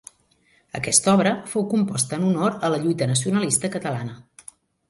Aquesta obra fou composta en honor a la lluita nacionalista catalana.